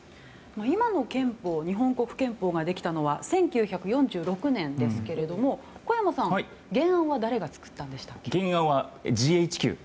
今の日本国憲法ができたのは１９４６年ですけれども小山さん、原案は誰が作ったんでしたっけ。